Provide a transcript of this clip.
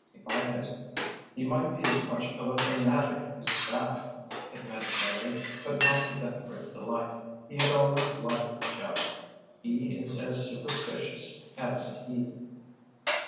"He might be as much of a fanatic as that," admitted Larry, but not with any great delight—he had always liked Jeff. "He is as superstitious as a heathen."